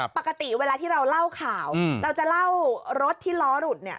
ปกติเวลาที่เราเล่าข่าวเราจะเล่ารถที่ล้อหลุดเนี่ย